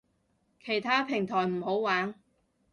其他平台唔好玩